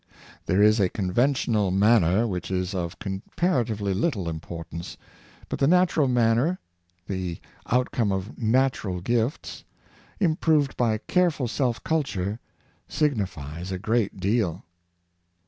There is a conventional manner, which is of comparatively little importance; but the natural man ner, the outcome of natural gifts, improved by careful self culture, signifies a great deal.